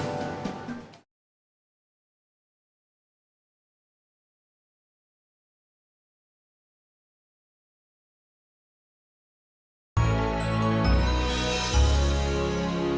jangan lupa subscribe channel ini